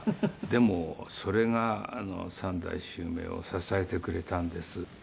でもそれが３代襲名を支えてくれたんです。